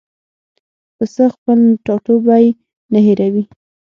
پسه خپل ټاټوبی نه هېروي.